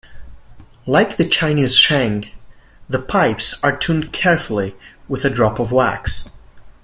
Like the Chinese sheng, the pipes are tuned carefully with a drop of wax.